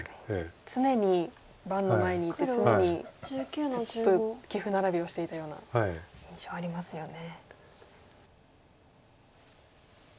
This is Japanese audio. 常に盤の前にいて常にずっと棋譜並べをしていたような印象ありますよね。